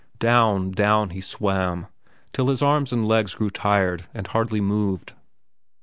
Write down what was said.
Down, down, he swam till his arms and legs grew tired and hardly moved.